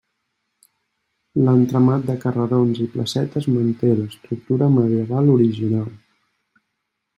L'entramat de carrerons i placetes manté l'estructura medieval original.